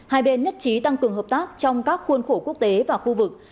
hai bên nhất trí tăng cường hợp tác trong các khuôn khổ quốc tế và khu vực